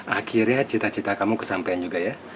akhirnya cita cita kamu kesampean juga ya